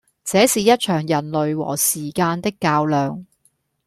這是一場人類和時間的較量